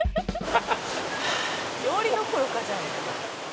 「料理どころかじゃん」